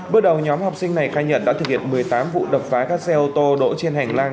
bước đầu nhóm học sinh này khai nhận đã thực hiện một mươi tám vụ đập phá các xe ô tô đỗ trên hành lang